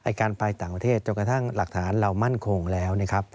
ภายใส่ต่างประเทศถึงกระทั่งหลักฐานเรามั่นคงแล้ว